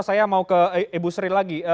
saya mau ke ibu sri lagi